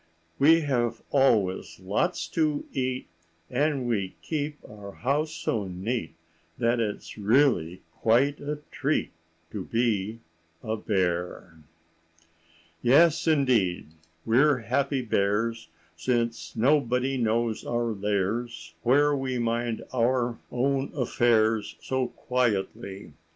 We have always lots to eat, And we keep our house so neat That it's really quite a treat To be a bear. "Yes, indeed, we're happy bears, Since nobody knows our lairs, Where we mind our own affairs So quietly.